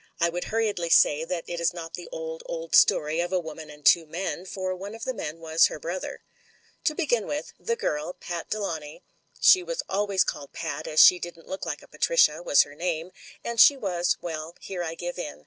I would hurriedly say that it is not the old, old story of a woman and two men, for one of the men was her brother. To begin with — ^the girl. Pat Delawnay — she was alwa3rs called Pat, as she didn't look like a Patricia — was her name, and she was — ^well, here I give in.